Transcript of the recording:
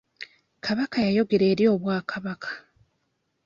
Kabaka yayogera eri obwakabaka.